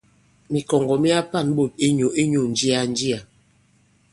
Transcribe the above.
Mìkɔ̀ŋgɔ̀ mi ka-pa᷇n ɓôt i minyǔ inyū ǹjia-njià.